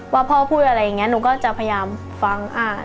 ว่าพ่อพูดอะไรอย่างนี้หนูก็จะพยายามฟังอ่าน